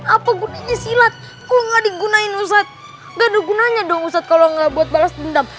apa gunanya silat kok nggak digunain ustadz ganda gunanya dong ustadz kalau nggak buat balas dendam